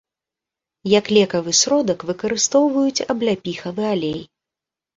Як лекавы сродак выкарыстоўваюць абляпіхавы алей.